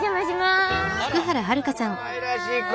あらかわいらしい子。